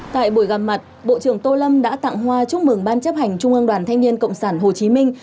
tại buổi gặp mặt bộ trưởng tô lâm đã tặng hoa chúc mừng ban chấp hành trung ương đoàn thanh niên cộng sản hồ chí minh